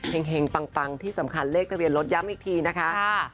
เห็งปังที่สำคัญเลขทะเบียนรถย้ำอีกทีนะคะ